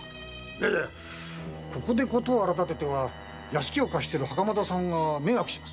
いやここで事を荒だてては屋敷を貸してる袴田さんが迷惑します。